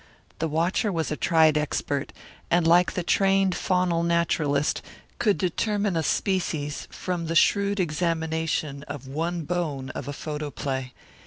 The watcher was a tried expert, and like the trained faunal naturalist could determine a species from the shrewd examination of one bone of a photoplay.